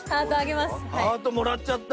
ハートもらっちゃった。